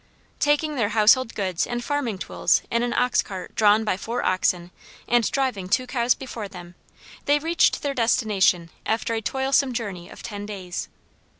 Taking their household goods and farming tools in an ox cart drawn by four oxen and driving two cows before them, they reached their destination after a toilsome journey of ten days.